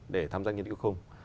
để tham gia nghiên cứu không